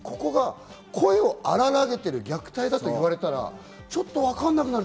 声を荒らげている、虐待だと言われたらちょっとわからなくなる。